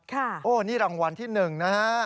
โอ้นี่รางวัลที่๑นะฮะ